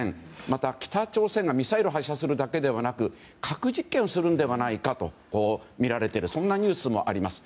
また、北朝鮮がミサイル発射をするだけではなく核実験をするのではないかとみられているそんなニュースもあります。